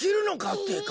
ってか。